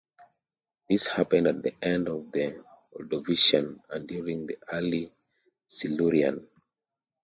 This happened at the end of the Ordovician and during the early Silurian.